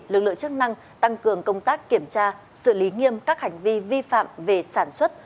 lực lượng chức năng tăng cường công tác kiểm tra xử lý nghiêm các hành vi vi phạm về sản xuất